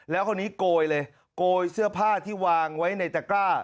แล้วเขาพอนี้โกยเลยโกยเสื้อผ้าที่วางอยู่ในตะกร่า